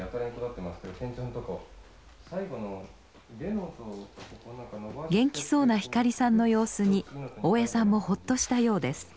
元気そうな光さんの様子に大江さんもほっとしたようです。